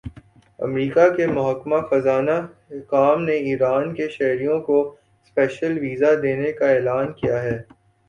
امریکا کے محکمہ خزانہ حکام نے ایران کے شہریوں کو سپیشل ویزا دینے کا اعلان کیا ہے